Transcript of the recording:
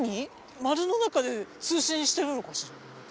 丸の中で通信してるのかしら？